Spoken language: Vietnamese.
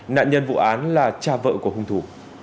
nạn nhân vụ án là cha vợ của hung thủ